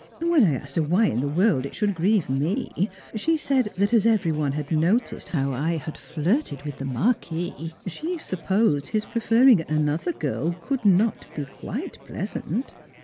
And when I asked her why in the world it should grieve me she said that, as every one had noticed how I had flirted with the Marquis, she supposed his preferring another girl could not be quite pleasant!